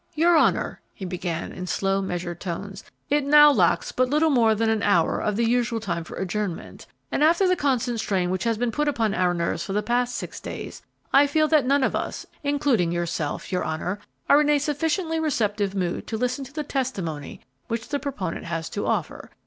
"Your honor," he began, in slow, measured tones, "it now lacks but little more than an hour of the usual time for adjournment, and after the constant strain which has been put upon our nerves for the past six days, I feel that none of us, including yourself, your honor, are in a sufficiently receptive mood to listen to the testimony which the proponent has to offer.